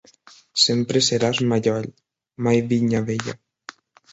Sempre seràs mallol, mai vinya vella!